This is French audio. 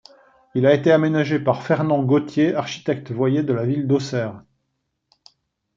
Il a été aménagé par Fernand Gauthier, architecte-voyer de la ville d'Auxerre.